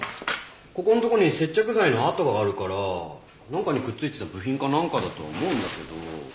ここんとこに接着剤の跡があるからなんかにくっついてた部品かなんかだと思うんだけど。